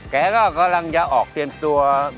แกก็กำลังจะออกเตรียมตัว